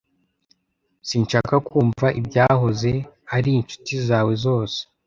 Sinshaka kumva ibyahoze ari inshuti zawe zose